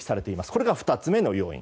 これが２つ目の要因。